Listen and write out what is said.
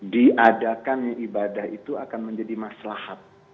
diadakannya ibadah itu akan menjadi maslahat